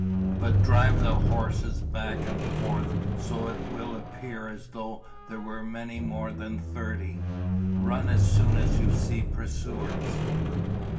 But drive the horses back and forth so it will appear as though there were many more than thirty. Run as soon as you see pursuers."